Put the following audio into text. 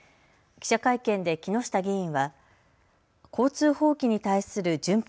記者会見で木下議員は交通法規に対する順法